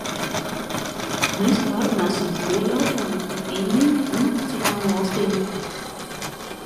Mēs pārrunāsim šo jautājumu ar Indiju un citām valstīm.